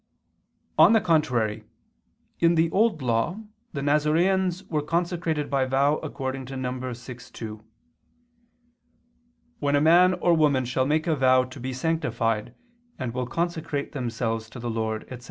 On the contrary, In the Old Law the Nazareans were consecrated by vow according to Num. 6:2, "When a man or woman shall make a vow to be sanctified and will consecrate themselves to the Lord," etc.